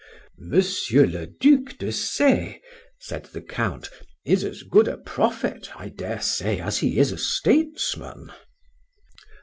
Monsieur le Duc de C—, said the Count, is as good a prophet, I dare say, as he is a statesman.